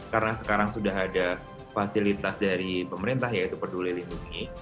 karena sekarang sudah ada fasilitas dari pemerintah yaitu peduli lindungi